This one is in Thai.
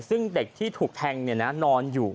ซึ่งเด็กที่ถูกแทงนอนอยู่